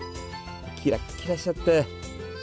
キラキラしちゃって。